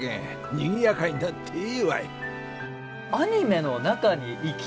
にぎやかになってええわい。